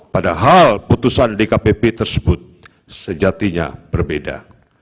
padahal putusan dkpp tersebut sejatinya berbeda